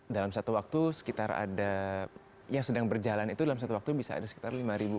dalam satu waktu sekitar ada yang sedang berjalan itu dalam satu waktu bisa ada sekitar lima